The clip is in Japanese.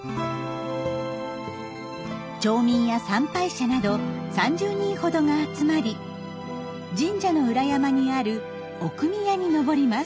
町民や参拝者など３０人ほどが集まり神社の裏山にある奥宮に登ります。